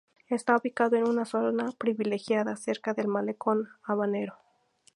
Está ubicado en una zona privilegiada cerca del Malecón habanero.